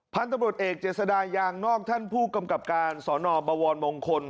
พันธบริโภคเอกเจษดายางนอกท่านผู้กำกับการสบมงคล